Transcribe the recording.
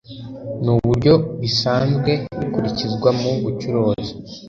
n uburyo bisanzwe bikurikizwa mu bucuruzi